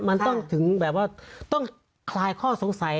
มันต้องถึงแบบว่าต้องคลายข้อสงสัย